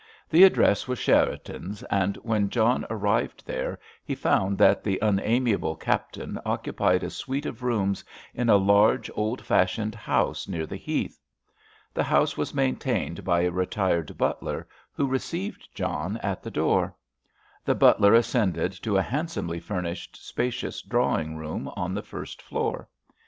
The address was Cherriton's, and when John arrived there he found that the unamiable captain occupied a suite of rooms in a large, old fashioned house near the Heath. The house was maintained by a retired butler, who received John at the door. The butler ascended to a handsomely furnished, spacious drawing room on the first floor.